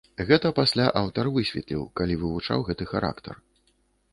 Гэта пасля аўтар высветліў, калі вывучаў гэты характар.